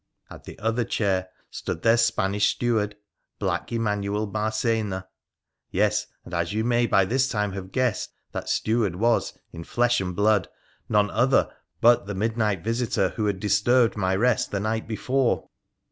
At the other chair stood their Spanish steward, black Emanuel Marcena. Yes, and, as you may by this time have guessed, that steward was, in flesh and blood, none other but the midnight visitor who had disturbed PURA THE PHCEN1CIAN 303 my rest the night before.